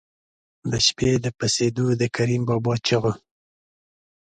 د شپې د پسېدو د کریم بابا چغو.